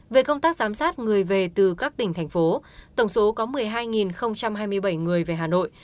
về công tác giám sát người về từ các tỉnh thành phố tổng số có một mươi hai hai mươi bảy người về hà nội